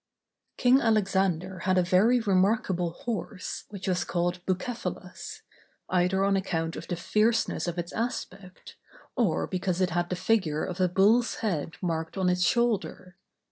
King Alexander had a very remarkable horse which was called Bucephalus, either on account of the fierceness of its aspect, or because it had the figure of a bull's head marked on its shoulder.